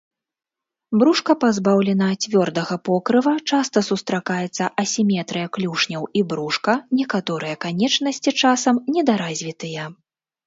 Брушка пазбаўлена цвёрдага покрыва, часта сустракаецца асіметрыя клюшняў і брушка, некаторыя канечнасці часам недаразвітыя.